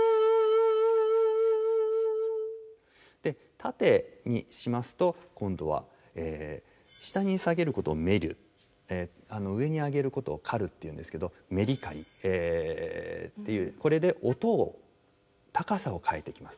縦にしますと今度は下に下げることを「沈る」上に上げることを「浮る」っていうんですけどメリカリっていうこれで音を高さを変えていきます。